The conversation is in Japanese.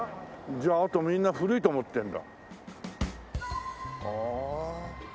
じゃああとみんな古いと思ってるんだ。